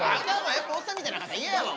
やっぱおっさんみたいな赤ちゃん嫌やわ。